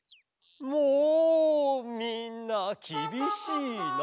もうみんなきびしいな！